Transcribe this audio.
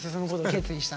決意した。